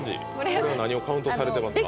これは何をカウントされてますか？